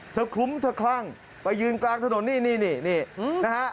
คลุ้มเธอคลั่งไปยืนกลางถนนนี่นี่นะฮะ